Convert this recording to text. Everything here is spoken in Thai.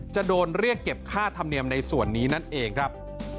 จะโดนเรียกเก็บค่าธรรมเนียมในส่วนนี้นั่นเองครับ